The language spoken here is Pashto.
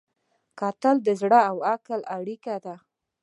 کتل د زړه او عقل اړیکه ده